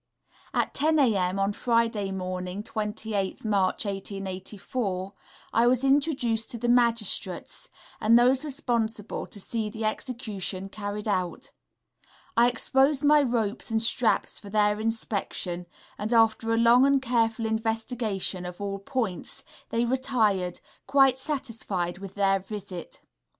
At 10 0 a.m. on Friday morning, 28th March, 1884, I was introduced to the Magistrates and those responsible to see the execution carried out. I exposed my ropes and straps for their inspection, and, after a long and careful investigation of all points, they retired, quite satisfied with their visit.